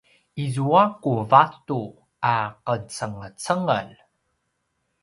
izua ku vatu a qacengecengel